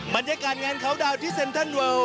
บรรยาการงานเคาน์ดาวท์ที่เซ็นเตอร์นเวิร์ล